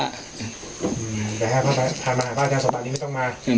อย่าให้พระภาพภาคจารย์สบัติไม่ต้องมา